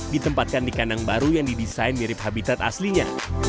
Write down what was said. ditempatkan di kandang baru yang didesain mirip habitat aslinya